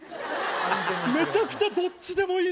めちゃくちゃどっちでもいいんだけど。